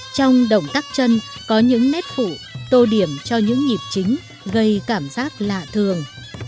trong động tác chân có những nét phụ tô tô điểm cho những nhịp chính gây cảm giác lạ thường